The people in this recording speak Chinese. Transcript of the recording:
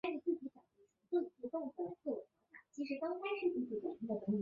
天主教东科克罗姆宗座代牧教区是加纳一个罗马天主教宗座代牧区。